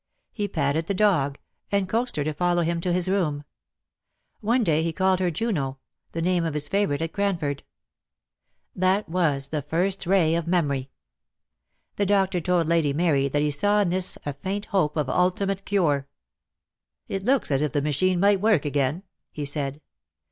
He patted the dog, and coaxed her to follow him to his room. One day he called her Juno, the name of his favourite at Cranford. That was the first ray of memory. The doctor told Lady Mary that he saw in this a faint hope of ultimate cure. "It looks as if the machine might work again!" he said.